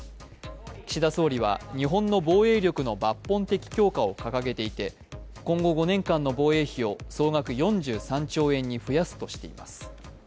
岸田総理は日本の防衛力の抜本的強化を掲げていて今後５年間の防衛費を総額４３兆円に増やすとしています。